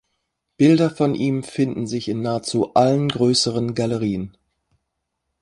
Bilder von ihm finden sich in nahezu allen größeren Galerien.